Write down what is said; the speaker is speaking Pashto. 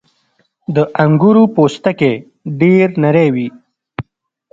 • د انګورو پوستکی ډېر نری وي.